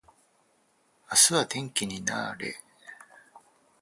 明日天気になれ